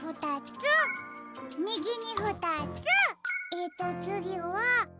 えっとつぎは。